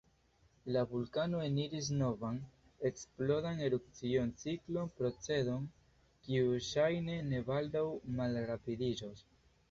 La vulkano eniris novan eksplodan erupciociklon, procedon kiu ŝajne ne baldaŭ malrapidiĝos.